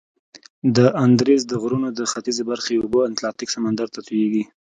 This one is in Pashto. د اندیزد غرونو د ختیځي برخې اوبه اتلانتیک سمندر ته تویږي.